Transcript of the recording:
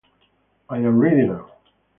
I am ready now.